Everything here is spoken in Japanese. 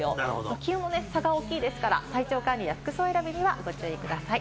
気温の差が大きいですから、体調管理や服装選びにご注意ください。